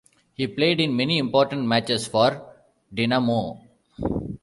He played in many important matches for Dinamo.